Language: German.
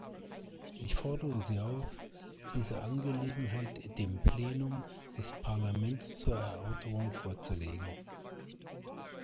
Ich fordere Sie auf, diese Angelegenheit dem Plenum des Parlaments zur Erörterung vorzulegen.